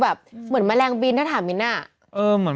ไม่จับวิ่งไปหัวปลูกไม่หยุด